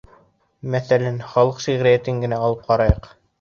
Мәҫәлән, халыҡ шиғриәтен генә алып ҡарайыҡ.